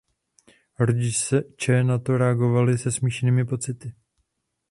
Rodiče na to reagovali se smíšenými pocity.